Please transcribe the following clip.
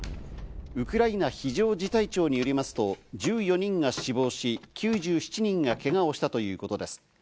ウクライナ非常事態庁によりますと１４人が死亡し、９７人がけがをしたということです。